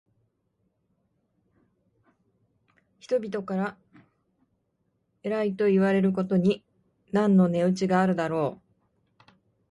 人々から偉いといわれることに何の値打ちがあろう。